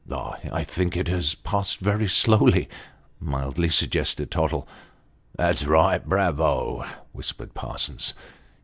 " I think it has passed very slowly," mildly suggested Tottle. (" That's right bravo !") whispered Parsons.